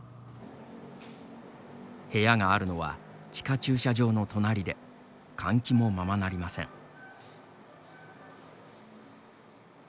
部屋があるのは地下駐車場の隣で換気もままなりません。